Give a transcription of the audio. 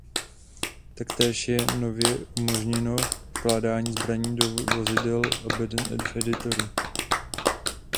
Taktéž je nově umožněno vkládání zbraní do vozidel a beden v editoru.